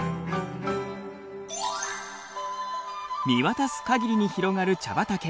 見渡す限りに広がる茶畑。